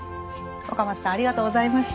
若松さんありがとうございました。